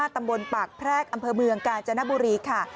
ตำบลปากแพรกอำเภอเมืองกาญจนบุรีค่ะ